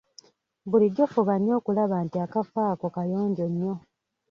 Bulijjo fuba nnyo okulaba nti akafo ako kayonjo nnyo.